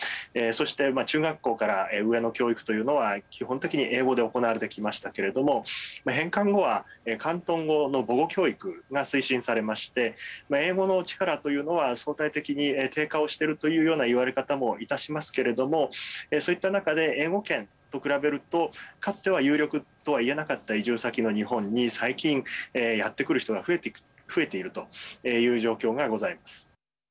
そして中学校から上の教育というのは基本的に英語で行われてきましたけれども返還後は広東語の母語教育が推進されまして英語の力というのは相対的に低下をしているというような言われ方もいたしますけれどもそういった中で英語圏と比べるとかつては有力とはいえなかった移住先が日本に最近やってくる人が増えているという状況がございます。